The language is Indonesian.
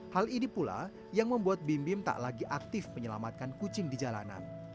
hal ini pula yang membuat bim bim tak lagi aktif menyelamatkan kucing di jalanan